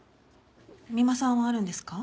三馬さんはあるんですか？